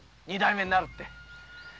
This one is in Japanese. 二代目になるって。